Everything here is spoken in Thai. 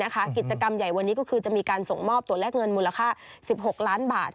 กิจกรรมใหญ่วันนี้ก็คือจะมีการส่งมอบตัวเลขเงินมูลค่า๑๖ล้านบาท